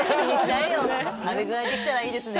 あれぐらいできたらいいですね。